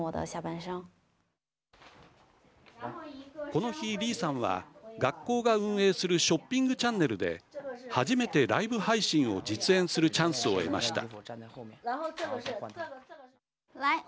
この日、李さんは学校が運営するショッピングチャンネルで初めてライブ配信を実演するチャンスを得ました。